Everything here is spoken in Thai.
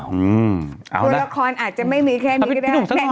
ตัวละครอาจจะไม่มีแค่นี้ก็ได้